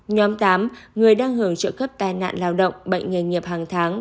nhóm tám người đang hưởng trợ cấp tai nạn lao động bệnh nghề nghiệp hàng tháng